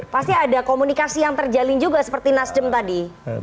pasti ada komunikasi yang terjalin juga seperti nasdem tadi